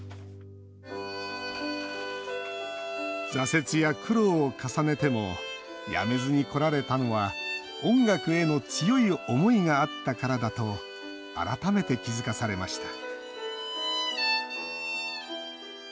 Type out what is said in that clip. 挫折や苦労を重ねても辞めずにこられたのは音楽への強い思いがあったからだと改めて気付かされました